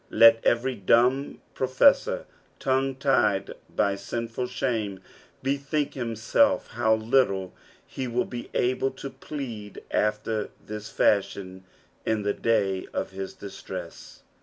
Let every dumb professor, tongue tied by sinful shame, bethink himself how little be will be able to plead after this fashion in the day of his distress.